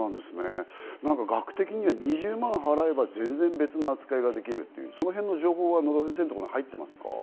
額的には２０万円払えば別な扱いができる、そのへんの情報は野田先生のところに入っていますか？